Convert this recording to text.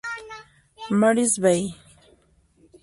Mary's Bay.